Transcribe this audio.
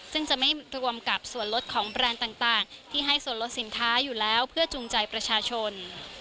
ซึ่งจะไม่รวมกับส่วนลดของแบรนด์ต่างที่ให้ส่วนลดสินค้าอยู่แล้วเพื่อจูงใจประชาชน